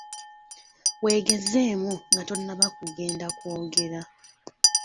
Weegezeemu nga tonnaba kugenda kwogera.